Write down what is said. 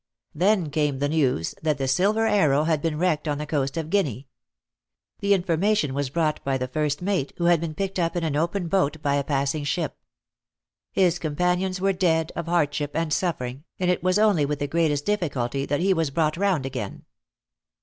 Then came the news that the Silver Arrow had been wrecked on the coast of Guinea. The information was brought by the first mate, who had been picked up in an open boat by a passing ship. His companions were dead of hardship and suffering, and it was only with the greatest difficulty that he was brought round again.